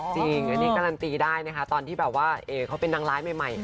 จริงอันนี้การันตีได้นะคะตอนที่แบบว่าเขาเป็นนางร้ายใหม่